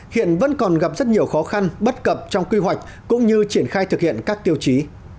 hiện vẫn còn gặp rất nhiều khó khăn bất cập trong quy hoạch cũng như triển khai thực hiện các tiêu chí